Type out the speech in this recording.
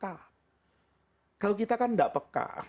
ah kalau kita kan tidak peka